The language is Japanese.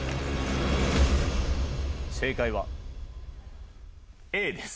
正解はＡです。